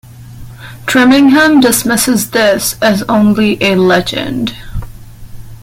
Trimingham dismisses this as only a legend.